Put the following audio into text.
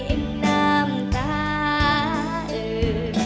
อิ่มน้ำตาอืม